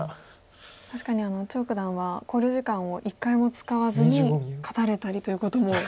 確かに張栩九段は考慮時間を１回も使わずに勝たれたりということも。